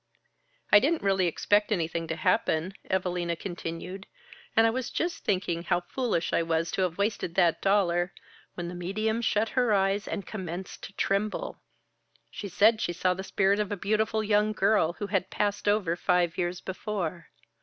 "I didn't really expect anything to happen," Evalina continued, "and I was just thinking how foolish I was to have wasted that dollar, when the medium shut her eyes and commenced to tremble. She said she saw the spirit of a beautiful young girl who had passed over five years before.